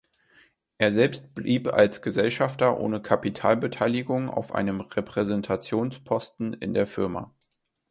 Er selbst blieb als Gesellschafter ohne Kapitalbeteiligung auf einem Repräsentationsposten in der Firma.